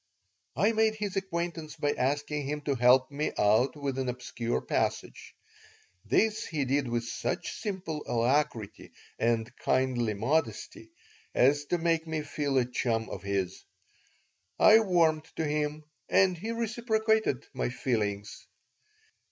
I made his acquaintance by asking him to help me out with an obscure passage. This he did with such simple alacrity and kindly modesty as to make me feel a chum of his. I warmed to him and he reciprocated my feelings.